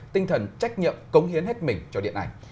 tinh thần trách nhiệm cống hiến hết mình cho điện ảnh